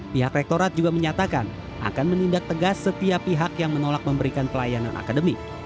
pihak rektorat juga menyatakan akan menindak tegas setiap pihak yang menolak memberikan pelayanan akademik